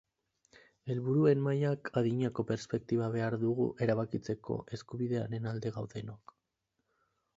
Helburuen mailak adinako perspektiba behar dugu erabakitzeko eskubidearen alde gaudenok.